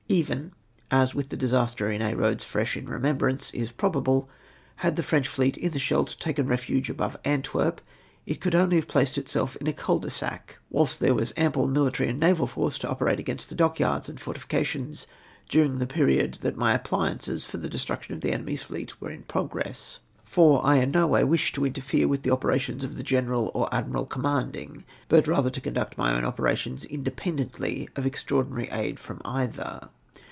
Even — as with the disaster in Aix Eoads fresh in remembrance, is probable — had the French lleet in the Scheldt taken refuge above Antwerp, it could only have placed itself in a cul de sac; whilst there was ample mihtary and naval force to operate against the dockyards and fortifications during the period that my apphances for the destruction of the enemy's lleet were in progress ; for I in wo way wdshed to interfere wdth the operations of the general or admiral commanding, but rather to conduct my own operations indepen dently of extraordinary aid frc/m either.